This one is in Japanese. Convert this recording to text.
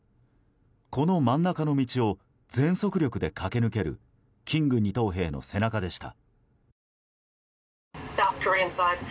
この真ん中の道を全速力で駆け抜けるキング二等兵の背中でした。